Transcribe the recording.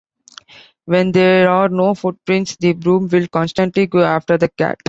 When there are no footprints, the broom will constantly go after the cat.